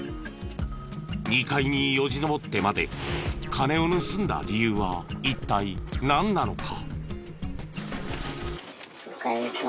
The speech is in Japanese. ２階によじ登ってまで金を盗んだ理由は一体なんなのか。